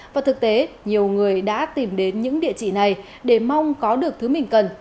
và thực tế nhiều người đã tìm đến những địa chỉ này để mong có được thứ mình cần